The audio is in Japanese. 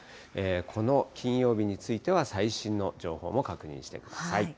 この金曜日については、最新の情報も確認してください。